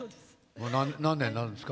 何年になるんですか？